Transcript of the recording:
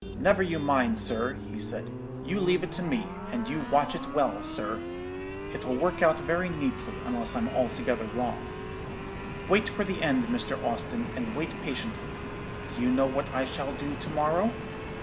"'Never you mind, sir,' he said; you leave it to me, and you watch it well, sir. It'll work out very neatly, unless I'm altogether wrong. Wait for the end, Mr. Austin, and wait patiently. Do you know what I shall do to morrow?'